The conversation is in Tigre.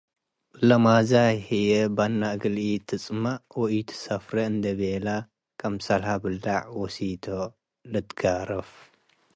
ለማዛይ ህዬ በነ እግል ኢትጽመእ ወኢትሰፍሬ እንዴ ቤለ ክምሰልሀ ብለዕ ወሲቶ ልትጋረፍ ።